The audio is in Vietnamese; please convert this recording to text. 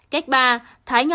cách ba thái nhỏ